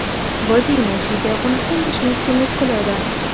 بادي انرژي د افغانستان د شنو سیمو ښکلا ده.